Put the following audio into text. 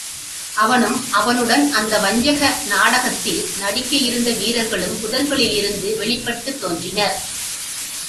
அவனும் அவனுடன் அந்த வஞ்சக நாடகத்தில் நடிக்க இருந்த வீரர்களும் புதர்களிலிருந்து வெளிப்பட்டுத் தோன்றினர்.